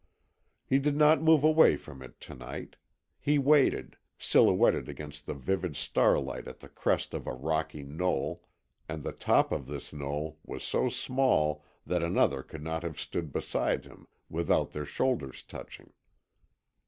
He did not move away from it to night. He waited, silhouetted against the vivid starlight at the crest of a rocky knoll, and the top of this knoll was so small that another could not have stood beside him without their shoulders touching.